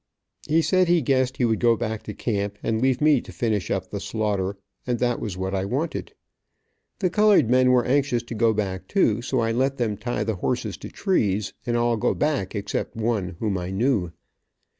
He said he guessed he would go back to camp, and leave me to finish up the slaughter, and that was what I wanted. The colored men were anxious to go back too, so I let them tie the horses to trees, and all go back except one, whom I knew.